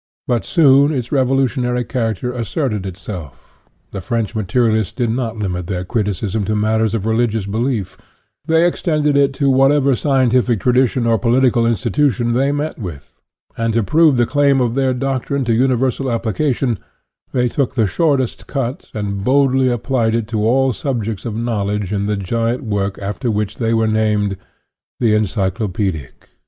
But soon its revolutionary character as serted itself. The French materialists did not limit their criticism to matters of religious belief; : they extended it to whatever scientific tradition or political institution they met with; and to prove the claim of their doctrine to universal application, they took the shortest cut, and boldly applied it to all subjects of knowledge in the giant work after which they were named the Encyclopedic.